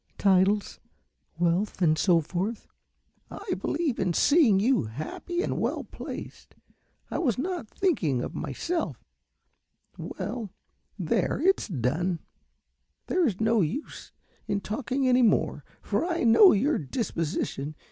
"Titles, wealth and so forth." "I believe in seeing you happy and well placed. I was not thinking of myself well, there, it's done. There is no use in talking any more, for I know your disposition.